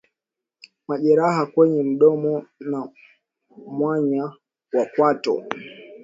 Majeraha kwenye mdomo na mwanya wa kwato